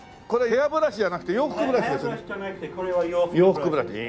ヘアブラシじゃなくてこれは洋服ブラシですね。